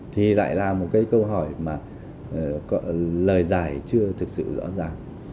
thì lại là một cái câu hỏi mà lời giải chưa thực sự rõ ràng